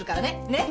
ねっ！